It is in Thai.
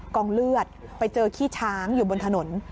กองเลือดไปเจอขี้ช้างอยู่บนถนน